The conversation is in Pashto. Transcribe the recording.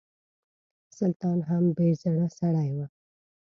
سلطان هم بې زړه سړی و.